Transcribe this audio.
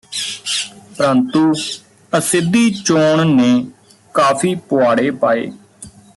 ਪ੍ਰੰਤੂ ਅਸਿੱਧੀ ਚੋਣ ਨੇ ਕਾਫੀ ਪੁਆੜੇ ਪਾਏ